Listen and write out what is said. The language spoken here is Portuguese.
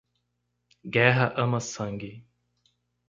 Guerra ama sangue.